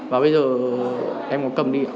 và bây giờ em có cầm đi